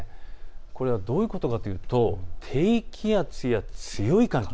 これはどういうことかというと低気圧や強い寒気。